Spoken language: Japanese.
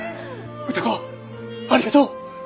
歌子ありがとう！